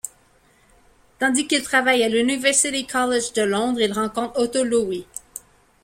Tandis qu'il travaille à l'University College de Londres, il rencontre Otto Loewi.